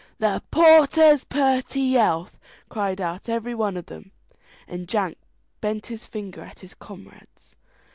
"The porter's purty health!" cried out every one of them, and Jack bent his finger at his comrades.